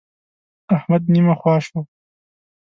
احمد نيمه خوا شو.